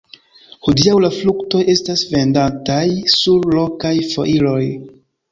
Hodiaŭ la fruktoj estas vendataj sur lokaj foiroj.